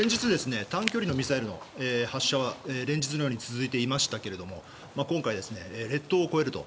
短距離のミサイルの発射は連日のように続いていましたが今回、列島を越えると。